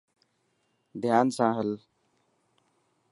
ڌيان سان هل.